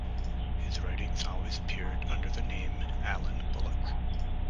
His writings always appeared under the name "Alan Bullock".